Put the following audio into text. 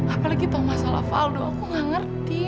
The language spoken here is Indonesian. apalagi tau masalah faldo aku nggak ngerti